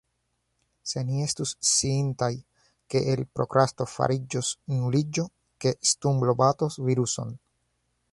Se ni estus sciintaj ke el prokrasto fariĝos nuliĝo, ke stumblo batos viruson…